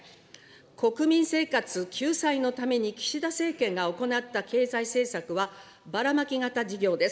国民生活救済のために岸田政権が行った経済政策は、バラマキ型事業です。